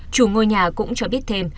chủ ngôi nhà cũng cho biết thêm